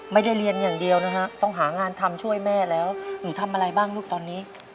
ไม่ได้เรียนอย่างเดียวนะฮะต้องหางานทำช่วยแม่แล้วหนูทำอะไรบ้างลูกตอนนี้